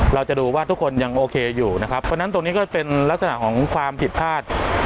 เราจะดูว่าทุกคนยังโอเคอยู่นะครับเพราะฉะนั้นตรงนี้ก็เป็นลักษณะของความผิดพลาด